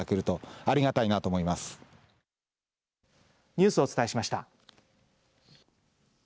ニュースをお伝えしました。